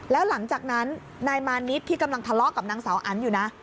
แล้วหลังจากนั้นนายมานิดที่กำลังทะเลาะกับนางสาวอันอยู่นะ